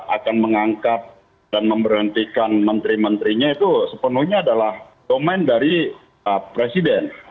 akan mengangkat dan memberhentikan menteri menterinya itu sepenuhnya adalah domain dari presiden